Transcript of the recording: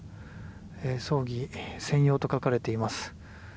葬儀専用と書かれています。